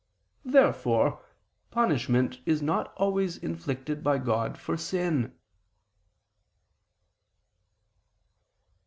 Therefore punishment is not always inflicted by God for sin.